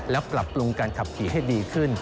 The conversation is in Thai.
และปรับปรุงการขับขี่ให้ดีขึ้น